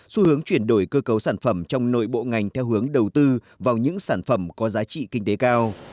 xu hướng chuyển đổi cơ cấu sản phẩm trong nội bộ ngành theo hướng đầu tư vào những sản phẩm có giá trị kinh tế cao